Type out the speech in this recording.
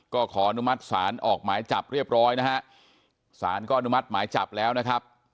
ก็ขออนุมัติศาลออกหมายจับเรียบร้อยนะฮะสารก็อนุมัติหมายจับแล้วนะครับ